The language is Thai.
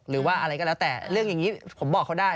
หรือว่าอะไรก็แล้วแต่เรื่องอย่างนี้ผมบอกเขาได้